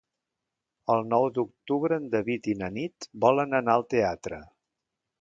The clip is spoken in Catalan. El nou d'octubre en David i na Nit volen anar al teatre.